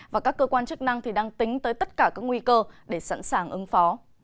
và các cơ quan chức năng đang tính tới tất cả các nguy cơ để sẵn sàng ứng phó